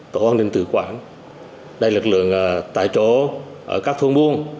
tổ an ninh tử quản đây là lực lượng tại chỗ ở các thôn buôn